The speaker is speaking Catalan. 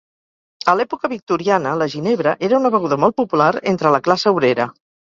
A l'època victoriana la ginebra era una beguda molt popular entre la classe obrera.